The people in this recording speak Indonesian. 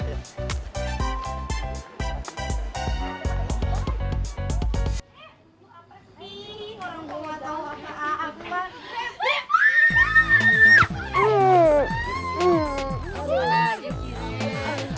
gua apa sih